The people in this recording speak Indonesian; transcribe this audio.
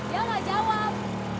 ya pak jawab